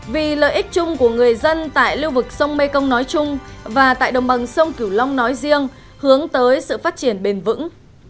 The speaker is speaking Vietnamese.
vì lợi ích chung của người dân tại lưu vực sông mekong nói chung và tại đồng bằng sông cửu long nói riêng hướng tới sự phát triển bền vững